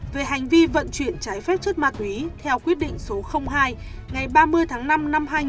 về hành vi vận chuyển trái phép chất ma túy theo quyết định số hai ngày ba mươi tháng năm năm hai nghìn một mươi ba